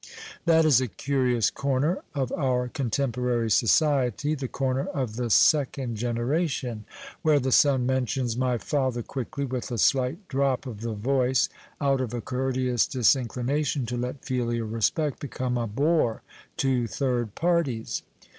That is a curious corner of our contemporary society the corner of the second generation, where the son mentions " my father " quickly, with a slight drop of the voice, out of a courteous disinclination to let filial respect become a bore to third parties.